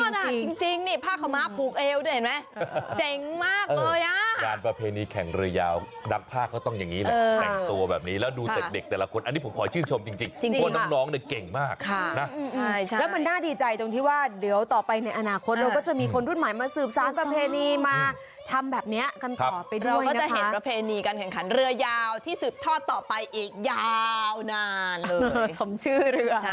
เก่งมากเลยอ่ะการประเภณีแข่งเรือยาวนักภาคก็ต้องอย่างนี้แบบแข่งตัวแบบนี้แล้วดูเด็กแต่ละคนอันนี้ผมขอชื่นชมจริงพวกน้องเนี่ยเก่งมากค่ะแล้วมันน่าดีใจตรงที่ว่าเดี๋ยวต่อไปในอนาคตเราก็จะมีคนรุ่นหมายมาสืบซ้างประเภณีมาทำแบบเนี้ยกันต่อไปด้วยนะคะเรายาวที่สืบทอดต่อไปอีกยาวนานเลยสมชื่